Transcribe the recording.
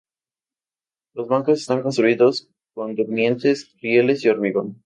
Los bancos están construidos con durmientes, rieles y hormigón.